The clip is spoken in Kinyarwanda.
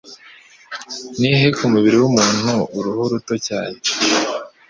Nihehe ku mubiri w'umuntu uruhu ruto cyane?